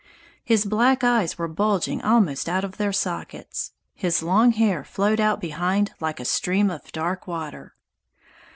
His black eyes were bulging almost out of their sockets; his long hair flowed out behind like a stream of dark water.